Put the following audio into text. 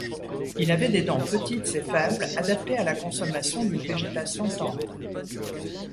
Il avait des dents petites et faibles adaptées à la consommation d'une végétation tendre.